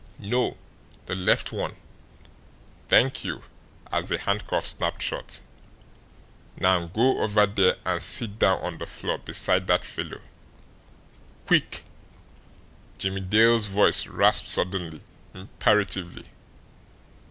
"No the left one. Thank you" as the handcuff snapped shut. "Now go over there and sit down on the floor beside that fellow. QUICK!" Jimmie Dale's voice rasped suddenly, imperatively.